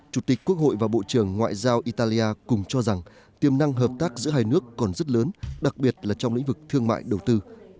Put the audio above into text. chủ tịch quốc hội và bộ trưởng ngoại giao italia cùng cho rằng tiềm năng hợp tác giữa hai nước còn rất lớn đặc biệt là trong lĩnh vực thương mại đầu tư